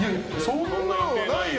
そんなのはないよ。